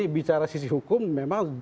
bicara sisi hukum memang